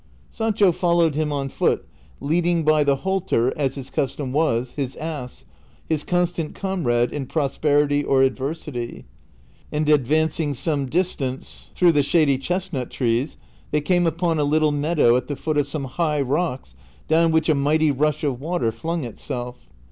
Sancho followed him on foot, leading by the halter, as his custom was, his ass, his constant comrade in prosperity or adversity ; and advancing some distance through the shady chestnut trees they came upon a little meadow at the foot of some high rocks, down which a mighty rush of water flung it self.